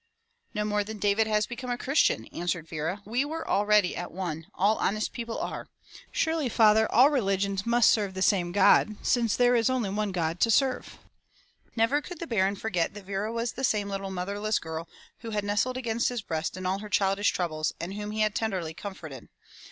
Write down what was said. "No more than David has become a Christian," answered Vera. "We were already at one. All honest people are. Surely, father, all religions must serve the same God since there is only one God to serve." Never could the Baron forget that Vera was the same little motherless girl who had nestled against his breast in all her childish troubles and whom he had tenderly comforted.